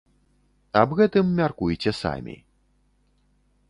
Аб гэтым мяркуйце самі.